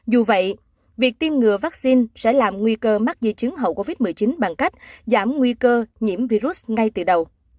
dù vậy việc tiêm ngừa vaccine sẽ làm nguy cơ mắc di chứng hậu covid một mươi chín bằng cách giảm nguy cơ nhiễm virus ngay từ đầu